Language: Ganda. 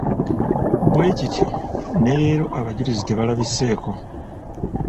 Bwe kityo ne leero abajulizi tebalabiseeko.